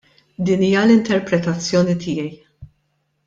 Din hija l-interpretazzjoni tiegħi.